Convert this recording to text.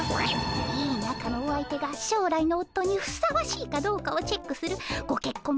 いいなかのお相手が将来のおっとにふさわしいかどうかをチェックするごけっこん